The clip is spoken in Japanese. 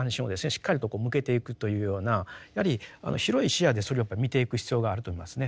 しっかりと向けていくというようなやはり広い視野でそれをやっぱり見ていく必要があると思いますね。